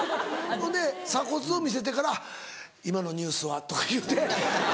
ほんで鎖骨を見せてから「今のニュースは」とか言うて。